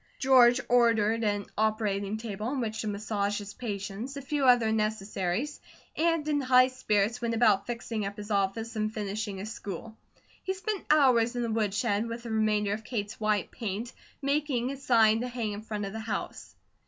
George ordered an operating table, on which to massage his patients, a few other necessities, and in high spirits, went about fixing up his office and finishing his school. He spent hours in the woodshed with the remainder of Kate's white paint, making a sign to hang in front of the house.